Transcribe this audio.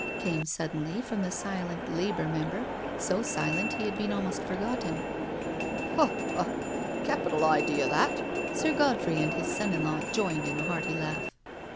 came suddenly from the silent Labour Member— so silent he had been almost forgotten. "Ha, ha I Capital idea, that I" Sir Godfrey and his son in law joined in a hearty laugh.